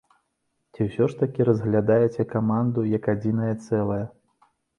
Ці ўсё ж такі разглядаеце каманду як адзінае цэлае?